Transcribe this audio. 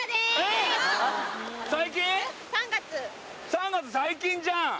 ３月最近じゃん！